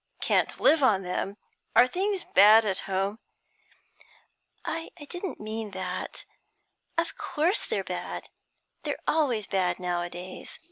'Can't live on them? Are things bad at home?' 'I didn't mean that. But of course they're bad; they're always bad nowadays.